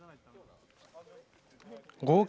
合計